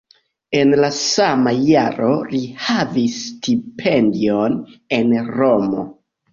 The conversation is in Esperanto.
En la sama jaro li havis stipendion en Romo.